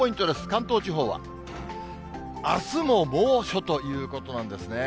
関東地方は、あすも猛暑ということなんですね。